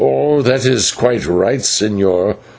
"That is quite right, señor.